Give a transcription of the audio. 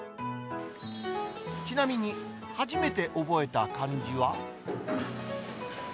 ちなみに、初めて覚えた漢字は。